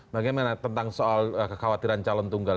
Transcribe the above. bagaimana tentang soal kekhawatiran calon tunggal